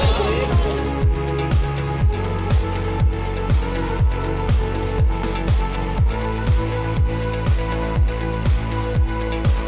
รู้สึกยังไงหรอคะ